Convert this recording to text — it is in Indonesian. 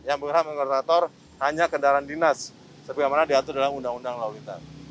yang berhak menggunakan rotator hanya kendaraan dinas seperti yang diatur dalam undang undang law lintas